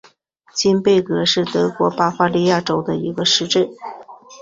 金贝格是德国巴伐利亚州的一个市镇。